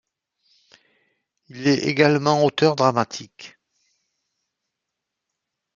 Il est également auteur dramatique.